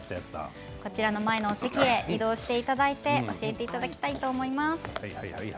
こちらの前の席に移動していただいて教えていただきたいと思います。